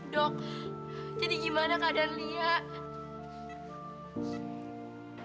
tuhan bersama sama dijadikan swara